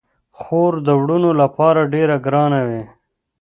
خور د وروڼو لپاره ډیره ګرانه وي.